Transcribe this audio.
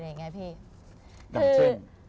อย่างเช่น